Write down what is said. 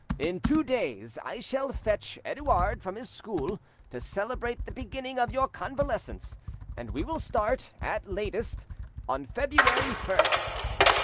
In two days I shall fetch Edouard from his school to celebrate the beginning of your convalescence, and we will start, at latest, on February 1st.